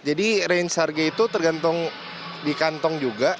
jadi range harga itu tergantung di kantong juga